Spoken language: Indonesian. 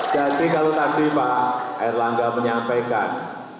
jadi kalau tadi pak erlangga menyampaikan